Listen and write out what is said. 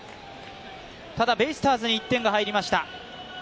ただベイスターズに１点が入りました。